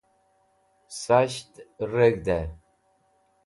sas̃ht reg̃hd'ey